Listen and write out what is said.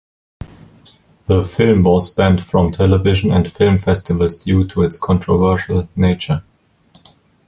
The film was banned from television and film festivals due to its controversial nature.